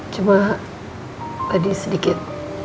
cuma tadi sedikit